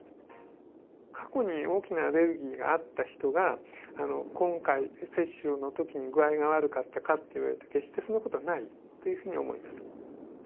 過去に大きなアレルギーがあった人が、今回、接種のときに具合が悪かったかっていわれると、決してそんなことはないというふうに思います。